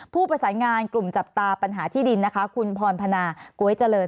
ผู้ประสานงานกลุ่มจับตาปัญหาที่ดินนะคะคุณพรพนาก๊วยเจริญ